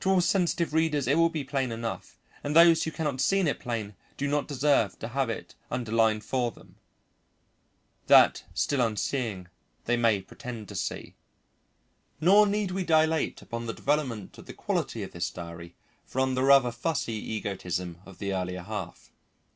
To all sensitive readers it will be plain enough, and those who cannot see it plain do not deserve to have it underlined for them, that, still unseeing, they may pretend to see. Nor need we dilate upon the development of the quality of this diary from the rather fussy egotism of the earlier half.